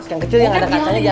yang kecil yang ada kacanya biasa